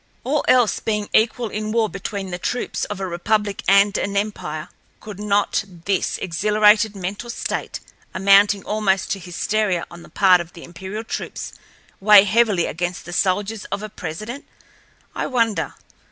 All else being equal in war between the troops of a republic and an empire, could not this exhilarated mental state, amounting almost to hysteria on the part of the imperial troops, weigh heavily against the soldiers of a president? I wonder.